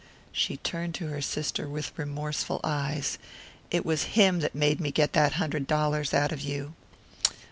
She turned to her sister with remorseful eyes. "It was him that made me get that hundred dollars out of you."